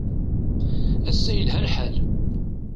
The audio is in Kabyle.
Ass-a yelha lḥal.